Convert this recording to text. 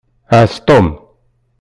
Ɛass Tom.